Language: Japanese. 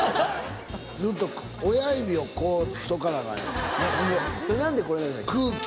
ずっと親指をこうしとかなアカン。